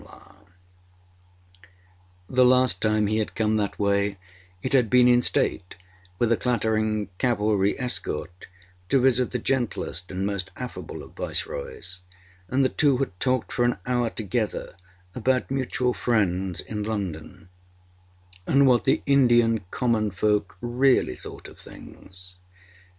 The last time he had come that way it had been in state, with a clattering cavalry escort, to visit the gentlest and most affable of Viceroys; and the two had talked for an hour together about mutual friends in London, and what the Indian common folk really thought of things.